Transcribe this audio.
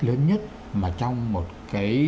lớn nhất mà trong một cái